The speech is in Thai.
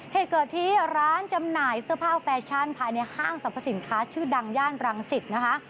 เหตุเกิดที่ร้านจำหน่ายเสื้อผ้าแฟชั่นภายในห้างสรรพสินค้าชื่อดังย่านรังสิตนะคะ